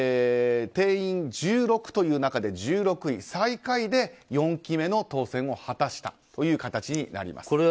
定員１６という中で最下位の１６位で４期目の当選を果たしたという形になります。